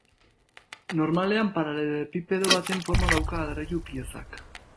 Normalean paralelepipedo baten forma dauka adreilu-piezak.